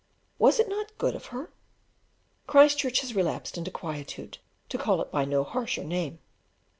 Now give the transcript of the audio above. Was it not good of her? Christchurch has relapsed into the quietude, to call it by no harsher name.